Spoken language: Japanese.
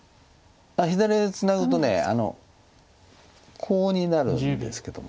左側をツナぐとコウになるんですけども。